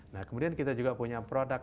nah kemudian kita juga punya produk